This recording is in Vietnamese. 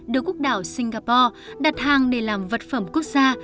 đưa quốc đảo singapore đặt hàng để làm vật phẩm quốc gia